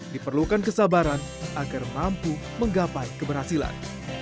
diperlukan kesabaran agar mampu menggapai keberhasilan